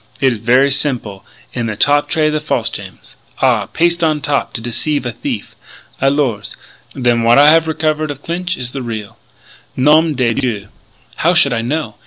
It is ver' simple. In the top tray the false gems. Ah! Paste on top to deceive a thief!... Alors.... Then what I have recover of Clinch is the real!... Nom de Dieu!... How should I know?